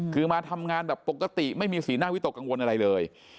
คือมาทำงานแบบปกติไม่มีสีหน้าวิตกกังวลอะไรเลย